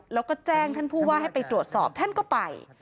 แล้วก็แจ้งท่านผู้ว่าให้ไปตรวจสอบท่านก็ไป